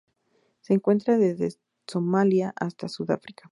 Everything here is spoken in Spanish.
Se encuentra desde Somalia hasta Sudáfrica.